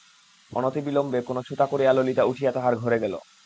অনতিবিলম্বে কোনো ছুতা করিয়া ললিতা উঠিয়া তাহার ঘরে গেল।